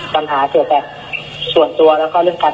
ปัญหาคือแบบส่วนตัวและเรื่องกัน